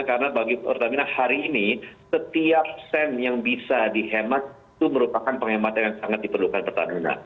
karena bagi pertamina hari ini setiap sen yang bisa dihemat itu merupakan penghematan yang sangat diperlukan pertamina